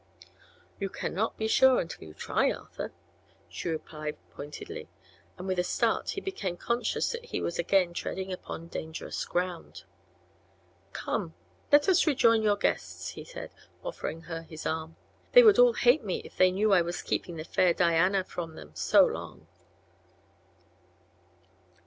"You cannot be sure until you try, Arthur," she replied pointedly, and with a start he became conscious that he was again treading upon dangerous ground. "Come; let us rejoin your guests," said he, offering her his arm. "They would all hate me if they knew I was keeping the fair Diana from them so long."